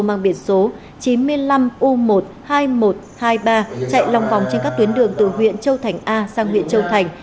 mang biển số chín mươi năm u một mươi hai nghìn một trăm hai mươi ba chạy lòng vòng trên các tuyến đường từ huyện châu thành a sang huyện châu thành